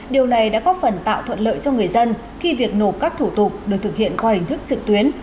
điều này đã có phần tạo thuận lợi cho người dân khi việc nộp các thủ tục được thực hiện qua hình thức trực tuyến